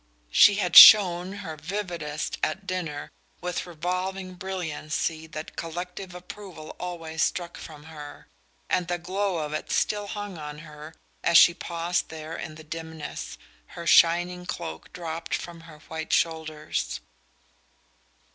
She had shone her vividest at dinner, with revolving brilliancy that collective approval always struck from her; and the glow of it still hung on her as she paused there in the dimness, her shining cloak dropped from her white shoulders.